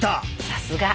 さすが。